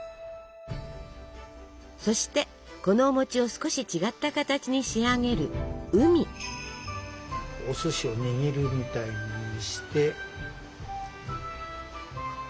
そしてこのお餅を少し違った形に仕上げるお寿司を握るみたいにして。